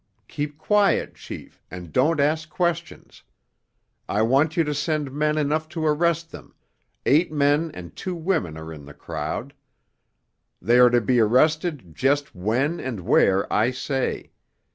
Keep quiet, chief, and don't ask questions. I want you to send men enough to arrest them—eight men and two women are in the crowd. They are to be arrested just when and where I say.